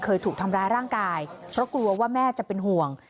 เคยถูกทำร้ายร่างกายเพราะกลัวว่าแม่จะเป็นห่วง